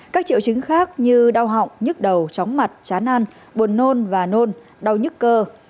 các triệu chứng khác như đau họng nhức đầu chóng mặt chán ăn buồn nôn và nôn đau nhức cơ